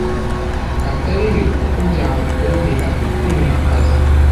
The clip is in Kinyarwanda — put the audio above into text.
atari yo kuko byamukururira kwimwa akazi